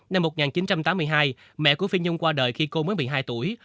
năm một nghìn chín trăm tám mươi hai mẹ của phi nhung qua đời khi cô mới một mươi hai tuổi